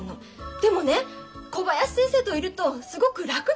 でもね小林先生といるとすごく楽なの。